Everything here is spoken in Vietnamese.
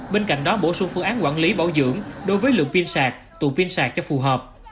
bên cạnh đó bổ sung phương án quản lý bảo dưỡng đối với lượng pin sạc tù pin sạc cho phù hợp